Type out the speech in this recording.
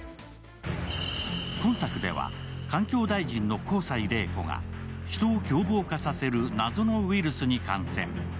今作では環境大臣の高西麗子が人を凶暴化させる謎のウイルスに感染。